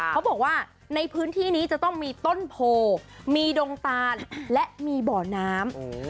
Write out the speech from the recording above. เขาบอกว่าในพื้นที่นี้จะต้องมีต้นโพมีดงตานและมีบ่อน้ำ